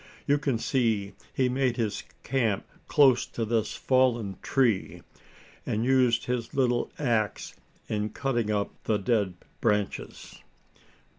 "You can see he made his camp close to this fallen tree, and used his little axe in cutting up the dead branches."